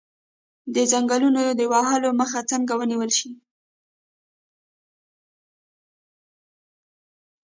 د ځنګلونو د وهلو مخه څنګه ونیول شي؟